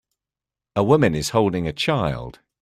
A woman is holding a child